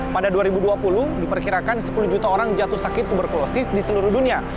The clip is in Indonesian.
pada dua ribu dua puluh diperkirakan sepuluh juta orang jatuh sakit tuberkulosis di seluruh dunia